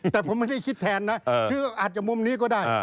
แต่ผมไม่ได้คิดแทนนะคืออาจจะมุมนี้ก็ได้